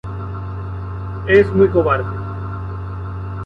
Es muy cobarde.